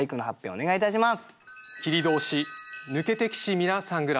お願いいたします。